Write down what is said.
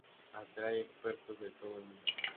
Atrae a expertos de todo el mundo.